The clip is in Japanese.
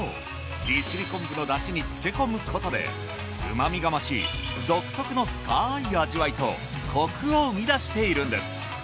利尻昆布の出汁に漬け込むことで旨味が増し独特の深い味わいとコクを生み出しているんです。